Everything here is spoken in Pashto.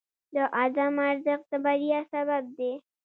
د عزم ارزښت د بریا سبب دی.